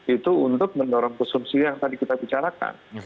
itu untuk mendorong konsumsi yang tadi kita bicarakan